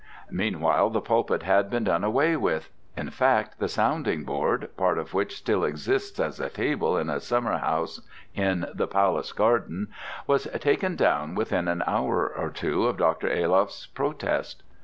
Meanwhile the pulpit had been done away with. In fact, the sounding board (part of which still exists as a table in a summer house in the palace garden) was taken down within an hour or two of Dr. Ayloff's protest.